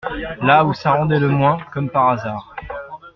là où ça rendait le moins, comme par hasard.